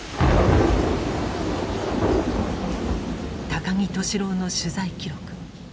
高木俊朗の取材記録。